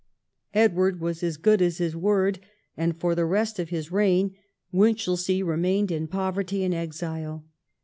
Edward was as good as his word, and for the rest of his reign Winchelsea remained in poverty and exile.